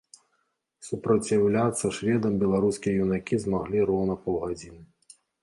Супраціўляцца шведам беларускія юнакі змаглі роўна паўгадзіны.